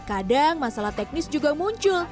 kadang masalah teknis juga muncul